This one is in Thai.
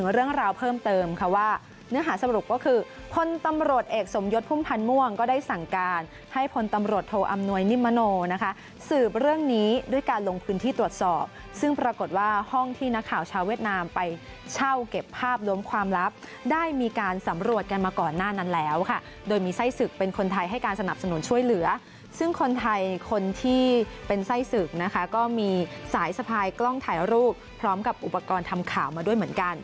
เริ่มเติมค่ะว่าเนื้อหาสรุปก็คือพลตำรวจเอกสมยศพุ่มพันธ์ม่วงก็ได้สั่งการให้พลตำรวจโทอำนวยนิมโมโนนะคะสืบเรื่องนี้ด้วยการลงพื้นที่ตรวจสอบซึ่งปรากฏว่าห้องที่นักข่าวชาวเวียดนามไปเช่าเก็บภาพรวมความลับได้มีการสำรวจกันมาก่อนหน้านั้นแล้วค่ะโดยมีไส้สึกเป็นคนไทย